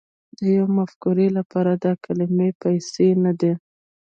د يوې مفکورې لپاره دا کمې پيسې نه دي